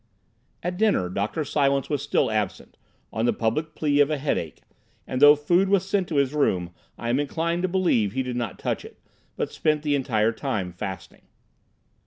At dinner Dr. Silence was still absent, on the public plea of a headache, and though food was sent to his room, I am inclined to believe he did not touch it, but spent the entire time fasting.